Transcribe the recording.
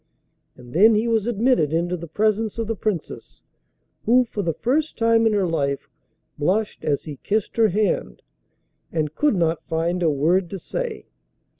And then he was admitted into the presence of the Princess, who for the first time in her life blushed as he kissed her hand, and could not find a word to say.